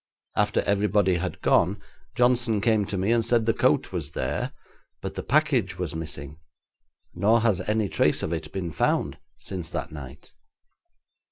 After everybody had gone Johnson came to me and said the coat was there, but the package was missing, nor has any trace of it been found since that night.'